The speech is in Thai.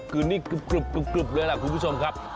คือนี่กรึบเลยล่ะคุณผู้ชมครับ